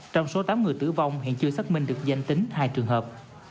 trong số tám người tử vong hiện chưa xác minh được danh tính hai trường hợp